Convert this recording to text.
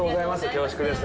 恐縮です。